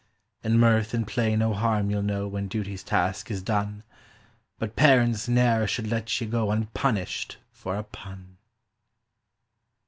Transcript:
In mirth and play no harm you'll know when duty's task is done; But parents ne'er should let ye go un_pun_ished for a PUN.